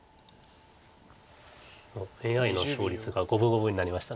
ＡＩの勝率が五分五分になりました。